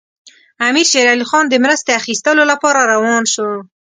امیر شېر علي خان د مرستې اخیستلو لپاره روان شو.